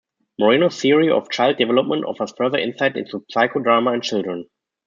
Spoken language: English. Moreno's theory of child development offers further insight into psychodrama and children.